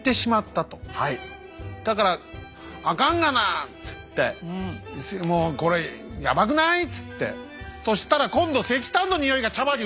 だから「あかんがな！」っつって「もうこれヤバくない？」っつって「そしたら今度石炭のにおいが茶葉にうつっちゃって！」。